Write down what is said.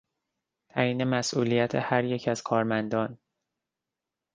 تعیین مسئولیت هر یک از کارمندان